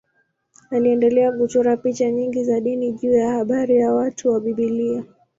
Aliendelea kuchora picha nyingi za dini juu ya habari na watu wa Biblia.